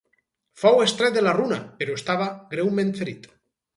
Fou extret de la runa, però estava greument ferit.